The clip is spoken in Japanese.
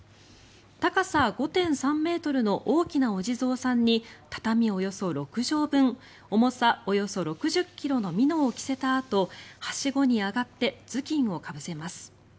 高さ５．３ｍの大きなお地蔵さんに畳６畳分重さおよそ６０ｋｇのみのを着せたあとはしごに上がって頭巾をかぶせます。